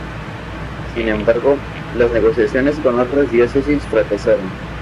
Sin embargo, las negociaciones con otras diócesis fracasaron.